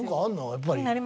やっぱり。